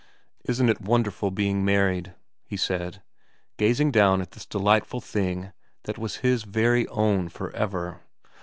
' Isn't it wonderful being married,' he said, gazing down at this delightful thing that was his very own for ever.